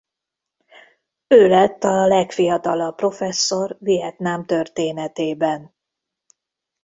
Ő lett a legfiatalabb professzor Vietnám történetében.